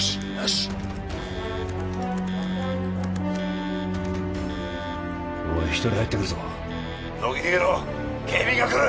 しっおい１人入ってくるぞ乃木逃げろ警備員が来る！